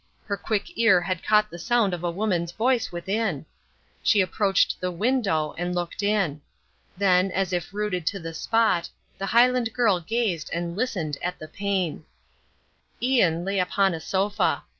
Her quick ear had caught the sound of a woman's voice within. She approached the window and looked in. Then, as if rooted to the spot, the Highland girl gazed and listened at the pane. Ian lay upon a sofa.